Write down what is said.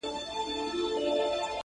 د ګیدړ په باټو ډېر په ځان غره سو!.